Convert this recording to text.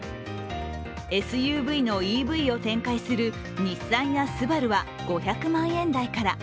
ＳＵＶのＥＶを展開する日産やＳＵＢＡＲＵは５００万円台から。